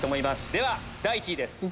では第１位です。